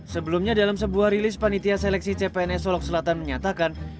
sebelumnya dalam sebuah rilis panitia seleksi cpns solok selatan menyatakan